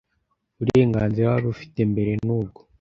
uburenganzira wari ufite mbere nubwo.